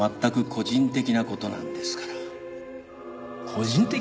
個人的？